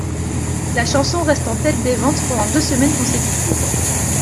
La chanson reste en tête des ventes pendant deux semaines consécutives.